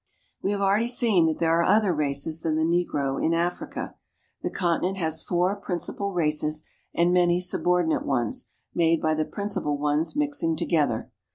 We have already seen that there are other races than the negro in Africa. The continent has four principal races and many subordinate ones, made by the principal ones mixing together.